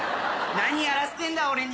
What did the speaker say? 何やらせてんだ俺に！